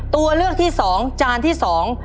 ตัวเลือกที่สองจานที่สอง